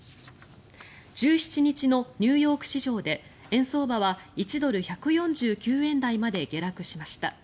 １７日のニューヨーク市場で円相場は１ドル＝１４９円台まで下落しました。